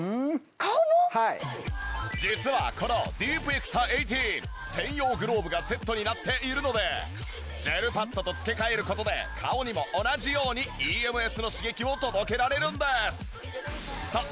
実はこのディープエクサ１８専用グローブがセットになっているのでジェルパッドと付け替える事で顔にも同じようにＥＭＳの刺激を届けられるんです。